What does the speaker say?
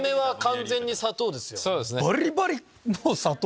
バリバリもう砂糖。